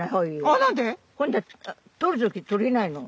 今度は取る時取れないの。